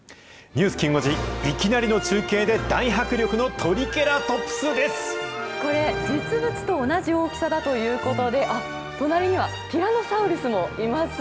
ニュースきん５時、いきなりの中継で大迫力のトリケラトプスこれ、実物と同じ大きさだということで、隣にはティラノサウルスもいます。